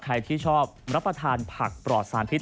ใครที่ชอบรับประทานผักปลอดสารพิษ